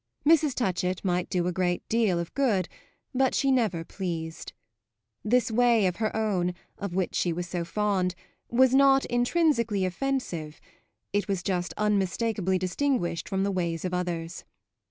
Mrs. Touchett might do a great deal of good, but she never pleased. This way of her own, of which she was so fond, was not intrinsically offensive it was just unmistakeably distinguished from the ways of others.